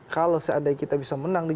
kalau seandainya kita bisa menang di